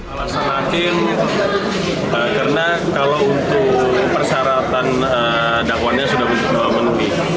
alasan hakim karena kalau untuk persyaratan dakwannya sudah menutupi